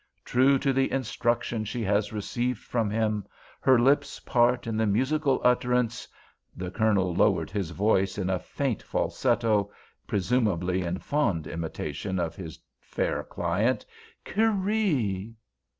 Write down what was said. True to the instruction she has received from him, her lips part in the musical utterance" (the Colonel lowered his voice in a faint falsetto, presumably in fond imitation of his fair client),"'Kerree!